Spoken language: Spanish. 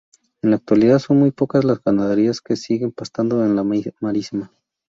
En la actualidad son muy pocas las ganaderías que siguen pastando en la marisma.